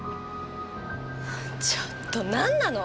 ちょっとなんなの？